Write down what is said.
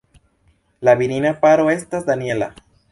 La virina paro estas Daniela.